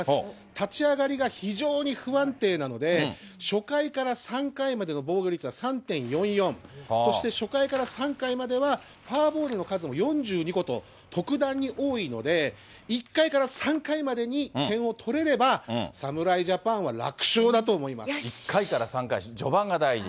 立ち上がりが非常に不安定なので、初回から３回までの防御率は３．４４、そして初回から３回まではフォアボールの数も４２個と、特段に多いので、１回から３回までに点を取れれば、１回から３回、序盤が大事。